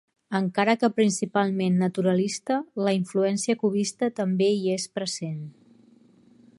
Encara que principalment naturalista, la influència cubista també hi és present.